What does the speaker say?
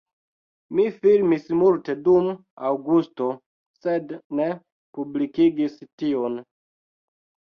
Mi filmis multe dum aŭgusto sed ne publikigis tiun